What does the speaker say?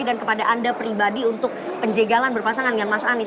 dan kepada anda pribadi untuk penjagalan berpasangan dengan mas anies